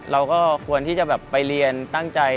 เราก็ควรที่จะแบบไปเรียนตั้งใจ